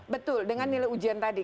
betul dengan nilai ujian tadi